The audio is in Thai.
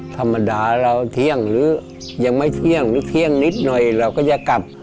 ธรรมดาเราเที่ยงหรือยังไม่เที่ยงหรือเที่ยงนิดหน่อยเราก็จะกลับ